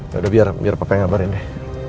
gak ada biar papa yang ngabarin deh